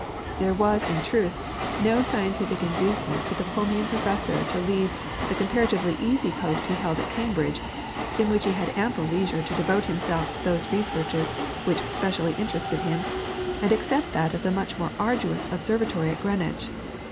There was in truth, no scientific inducement to the Plumian Professor to leave the comparatively easy post he held at Cambridge, in which he had ample leisure to devote himself to those researches which specially interested him, and accept that of the much more arduous observatory at Greenwich.